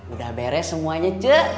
udah beres semuanya c